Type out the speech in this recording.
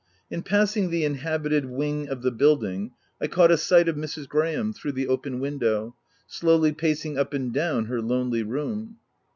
In passing the inhabited wing of the building, I caught a sight of Mrs. Graham, through the open window, slowly pacing up and down her lonely room.